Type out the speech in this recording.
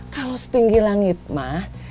kalau setinggi langit mak